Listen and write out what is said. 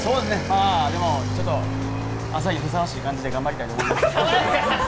ちょっと朝にふさわしい感じで頑張りたいと思います。